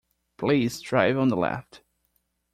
Please drive on the left.